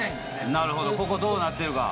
なるほどここどうなってるか。